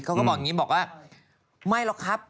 เขาก็มันยิ้มบอกว่าไม่หรอกครับ